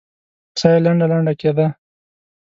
ساه يې لنډه لنډه کېده.